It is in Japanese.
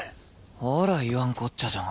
ほら言わんこっちゃじゃん。